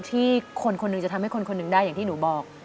ที่คนคนหนึ่งจะทำให้คนคนหนึ่งได้อย่างที่หนูบอก